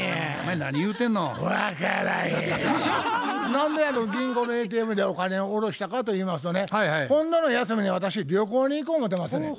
何で銀行のＡＴＭでお金を下ろしたかといいますとね今度の休みに私旅行に行こ思てますねん。